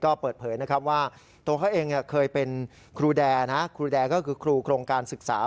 ก็เปิดเผยนะครับว่าตัวเขาเองเคยเป็นครูแดนะครูแดก็คือครูโครงการศึกษา